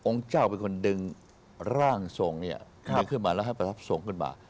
องค์เจ้าเป็นคนดึงร่างส่งนี้หนึ่งขึ้นมาแล้วให้ประทับส่งขึ้นมา